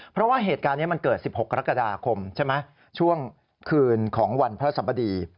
เพราะว่าเหตุการณ์นี้เกิด๑๖กรกฎาคมช่วงคืนของวันพระสัมพดี